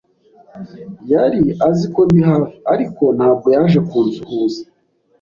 Yari azi ko ndi hafi, ariko ntabwo yaje kunsuhuza.